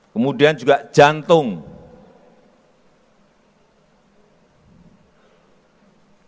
kemudian juga jangka kaki